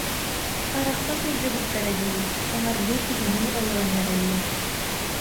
Арахса сылдьыбыттара дии, саҥардыы киһилии олорон эрэллэр